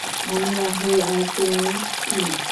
আমি রাহুল আর তুমি টিনা।